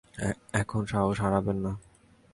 এখন সাহস হারাবেন না!